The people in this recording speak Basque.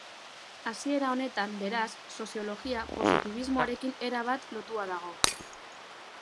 Hasiera honetan, beraz, soziologia positibismoarekin erabat lotua dago.